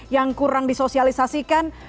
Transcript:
yang kurang disosialisasikan